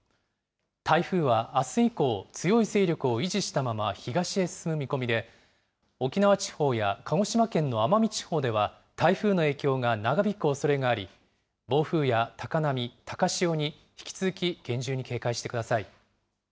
台風はあす以降、強い勢力を維持したまま東へ進む見込みで、沖縄地方や鹿児島県の奄美地方では、台風の影響が長引くおそれがあり、暴風や高波、高潮に引き続き厳重に警戒してください。